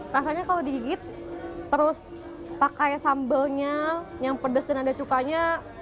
rasanya kalau digigit terus pakai sambalnya yang pedes dan ada cukanya